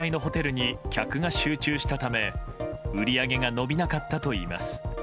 高価格帯のホテルに客が集中したため売り上げが伸びなかったといいます。